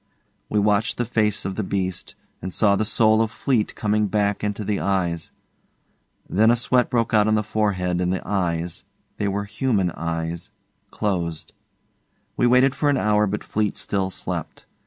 We watched the face of the beast, and saw the soul of Fleete coming back into the eyes. Then a sweat broke out on the forehead and the eyes they were human eyes closed. We waited for an hour but Fleete still slept.